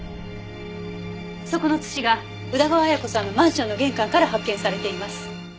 そこの土が宇田川綾子さんのマンションの玄関から発見されています。